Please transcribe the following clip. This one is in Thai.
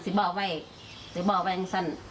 สิบาวว่ายิงซิบาวว่ายิงสั้น